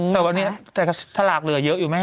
แต่วันนี้สลากเหลือเยอะอยู่ไหม